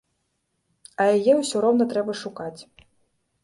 А яе ўсё роўна трэба шукаць.